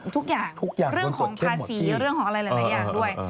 ทุกอย่างเรื่องของภาษีเรื่องของอะไรหลายอย่างด้วย